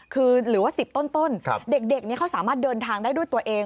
คือหรือว่า๑๐ต้นเด็กนี้เขาสามารถเดินทางได้ด้วยตัวเอง